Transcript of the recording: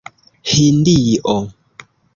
Hindio